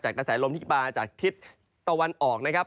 กระแสลมที่มาจากทิศตะวันออกนะครับ